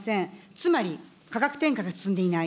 つまり価格転嫁が進んでいない。